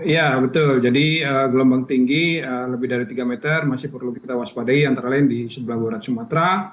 ya betul jadi gelombang tinggi lebih dari tiga meter masih perlu kita waspadai antara lain di sebelah barat sumatera